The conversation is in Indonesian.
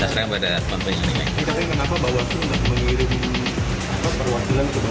saya sering pada pembaik ini